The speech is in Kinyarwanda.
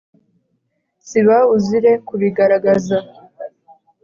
siba uzire kubigaragaza